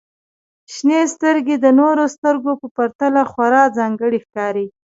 • شنې سترګې د نورو سترګو په پرتله خورا ځانګړې ښکاري.